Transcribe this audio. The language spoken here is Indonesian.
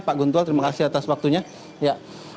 pak guntual terima kasih atas waktunya